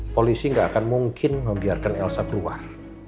polisi gak akan mungkin membiarkan elsa keluar